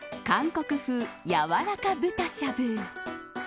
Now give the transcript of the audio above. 韓国風やわらか豚しゃぶ。